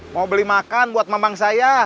mau beli makan buat memang saya